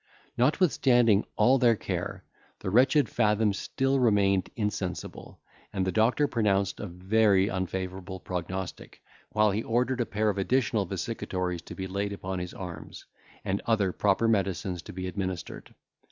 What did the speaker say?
Notwithstanding all their care, the wretched Fathom still remained insensible, and the doctor pronounced a very unfavourable prognostic, while he ordered a pair of additional vesicatories to be laid upon his arms, and other proper medicines to be administered.